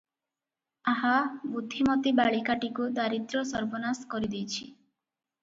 ଆହା ବୁଦ୍ଧିମତୀ ବାଳିକାଟିକୁ ଦାରିଦ୍ର୍ୟ ସର୍ବନାଶ କରି ଦେଇଚି-" ।